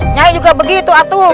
nyai juga begitu atuh